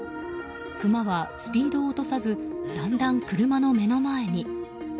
クマはスピードを落とさずだんだん車の目の前に。